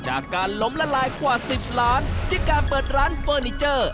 จากการล้มละลายกว่า๑๐ล้านด้วยการเปิดร้านเฟอร์นิเจอร์